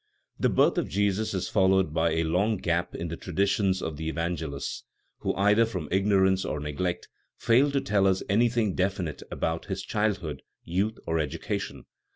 The birth of Jesus is followed by a long gap in the traditions of the Evangelists, who either from ignorance or neglect, fail to tell us anything definite about his childhood, youth or education.